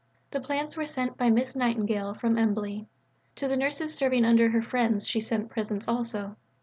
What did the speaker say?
The plants were sent by Miss Nightingale from Embley. To the nurses serving under her friends she sent presents also.